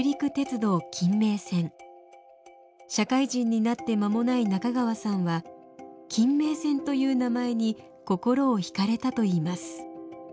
社会人になって間もない中川さんは金名線という名前に心を引かれたといいます。